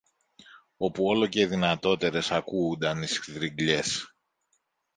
όπου όλο και δυνατότερες ακούουνταν οι στριγλιές.